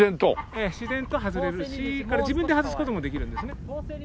ええ自然と外れるし自分で外す事もできるんですね。